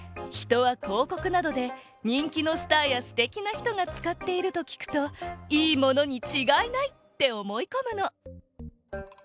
人はこうこくなどで人気のスターやステキな人がつかっているときくといいものにちがいないっておもいこむの。